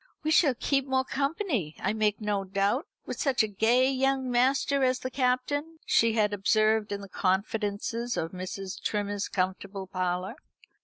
"We shall keep more company, I make no doubt, with such a gay young master as the Captain," she had observed in the confidences of Mrs. Trimmer's comfortable parlour.